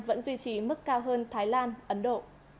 vẫn duy trì mức cao hơn thái lan ấn độ